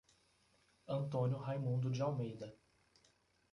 Antônio Raimundo de Almeida